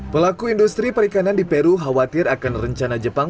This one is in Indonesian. pelaku industri perikanan di peru khawatir akan rencana jepang